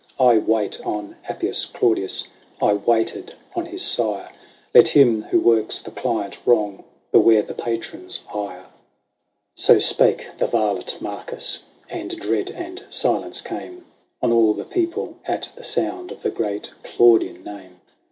I wait on Appius Claudius ; I waited on his sire : Let him who works the client wrong beware the patron's ire !" So spake the varlet Marcus ; and dread and silence came On all the people at the sound of the great Claudian name.